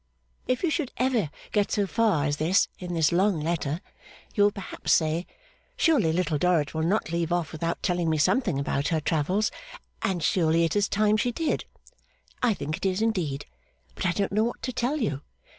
If you should ever get so far as this in this long letter, you will perhaps say, Surely Little Dorrit will not leave off without telling me something about her travels, and surely it is time she did. I think it is indeed, but I don't know what to tell you.